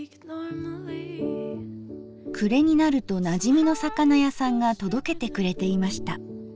暮れになるとなじみの魚屋さんが届けてくれていました。